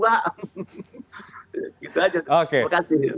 gitu saja terima kasih